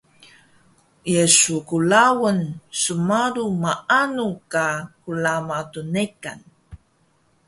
Ye su klaun snmalu maanu ka hlama tnekan?